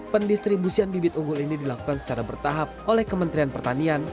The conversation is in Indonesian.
pendistribusian bibit unggul ini dilakukan secara bertahap oleh kementerian pertanian